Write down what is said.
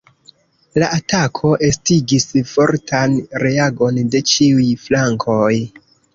La atako estigis fortan reagon de ĉiuj flankoj.